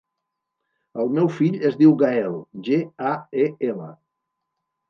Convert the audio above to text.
El meu fill es diu Gael: ge, a, e, ela.